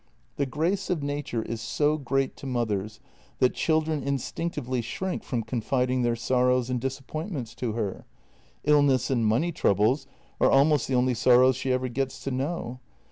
The grace of nature is so great to mothers that children instinctively shrink from confiding their sorrows and disappointments to her; illness and money troubles are almost the only sorrows she ever gets to know.